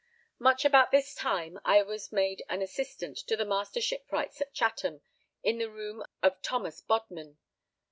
Much about this time I was made an assistant to the Master Shipwrights at Chatham, in the room of Thomas Bodman.